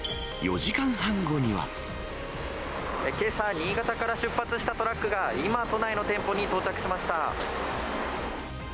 けさ、新潟から出発したトラックが、今、都内の店舗に到着しました。